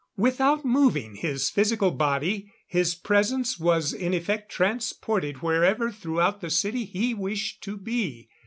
Without moving his physical body his presence was in effect transported wherever throughout the city he wished to be.